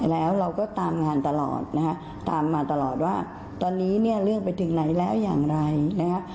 แล้วเราก็ตามงานตลอดนะฮะตามมาตลอดว่าตอนนี้เนี่ยเรื่องไปถึงไหนแล้วอย่างไรนะคะ